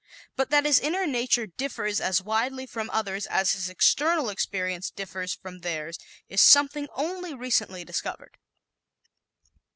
But that his inner nature differs as widely from others as his external appearance differs from theirs is something only recently discovered.